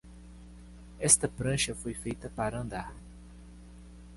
Esta prancha foi feita para andar.